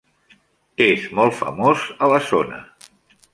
És molt famós a la zona.